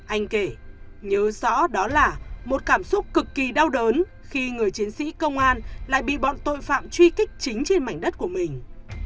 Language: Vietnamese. anh kể nhớ rõ đó là một cảm xúc cực kỳ đau đớn khi người chiến sĩ công an lại bị bọn tội phạm truy kích chính trên mảnh đất của mình